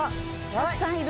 たくさんいる。